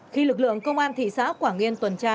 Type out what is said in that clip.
khi lực lượng công an thị xã quảng yên tuần tra